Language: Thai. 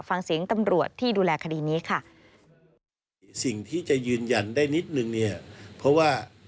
ฟังเสียงตำรวจที่ดูแลคดีนี้ค่ะ